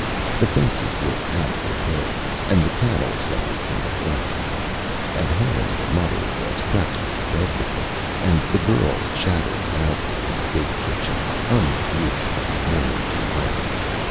The fences were out of repair, and the cattle suffered from neglect. At home the mother was practically bedridden, and the girls chattered loudly in the big kitchen, unrebuked, from morning to night.